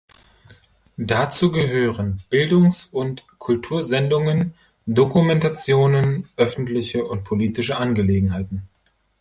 Dazu gehören Bildungs- und Kultursendungen, Dokumentationen, öffentliche und politische Angelegenheiten.